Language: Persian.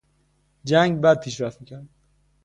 جنگ بد پیشرفت میکرد.